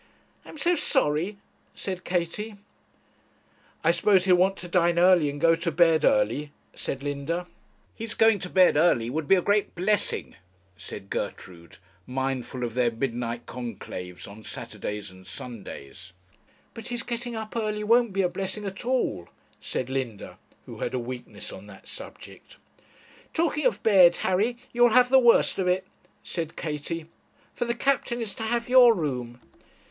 'I am so sorry,' said Katie. 'I suppose he'll want to dine early, and go to bed early?' said Linda. 'His going to bed early would be a great blessing,' said Gertrude, mindful of their midnight conclaves on Saturdays and Sundays. 'But his getting up early won't be a blessing at all,' said Linda, who had a weakness on that subject. 'Talking of bed, Harry, you'll have the worst of it,' said Katie, 'for the captain is to have your room.'